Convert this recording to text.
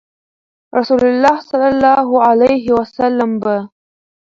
رسول الله صلی الله عليه وسلم به